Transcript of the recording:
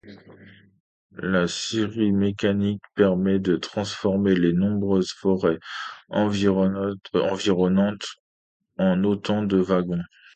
La scierie mécanique permet de transformer les nombreuses forêts environnantes en autant de wagons.